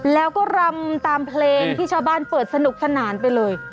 แล้วก็รำตามเพลงที่ชาวบ้านเปิดสนุกสนานไปเลย